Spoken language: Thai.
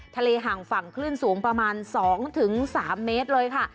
ห่างฝั่งคลื่นสูงประมาณ๒๓เมตรเลยค่ะ